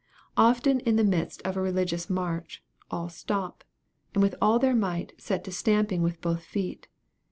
Often in the midst of a religious march, all stop, and with all their might set to stamping with both feet.